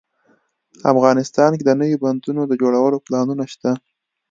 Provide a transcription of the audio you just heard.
افغانستان کې د نوي بندونو د جوړولو پلانونه شته